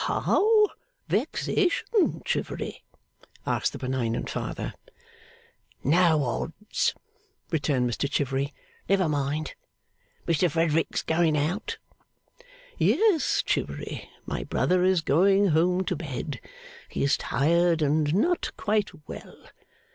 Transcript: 'How vexation, Chivery?' asked the benignant father. 'No odds,' returned Mr Chivery. 'Never mind. Mr Frederick going out?' 'Yes, Chivery, my brother is going home to bed. He is tired, and not quite well.